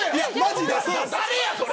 誰やそれ。